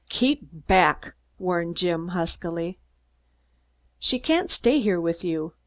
"Keep back!" warned Jim huskily. "She can't stay here with you.